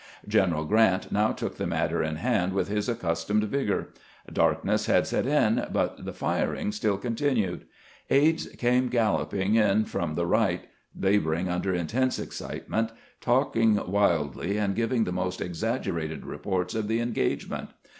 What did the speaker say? General Grant now took the matter in hand with his accustomed vigor. Darkness had set in, but the firing still continued. Aides came galloping in from the right, laboring under intense excitement, CONFUSION CAUSED BY A NIGHT ATTACK 69 talking wildly, and giving the most exaggerated reports of the engagement.